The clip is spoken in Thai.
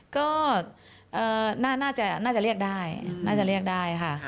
ก็น่าจะเรียกได้น่าจะเรียกได้ค่ะ